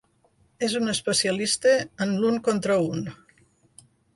És un especialista en l'un contra un.